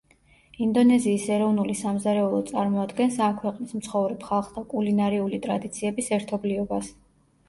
ინდონეზიის ეროვნული სამზარეულო წარმოადგენს ამ ქვეყნის მცხოვრებ ხალხთა კულინარიული ტრადიციების ერთობლიობას.